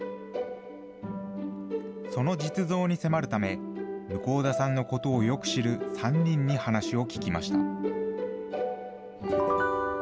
その実像に迫るため、向田さんのことをよく知る３人に話を聞きました。